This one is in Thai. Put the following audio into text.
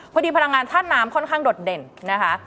พอดีพลังงานท่านน้ำค่อนข้างดดเด่นนะคะ